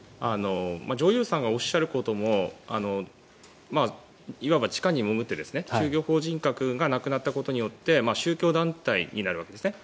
上祐さんがおっしゃることもいわば地下に潜って宗教法人格がなくなったことによって宗教団体になるわけですね。